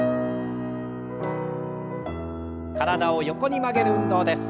体を横に曲げる運動です。